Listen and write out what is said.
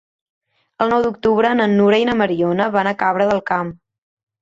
El nou d'octubre na Nura i na Mariona van a Cabra del Camp.